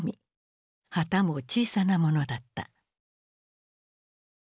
旗も小さなものだった。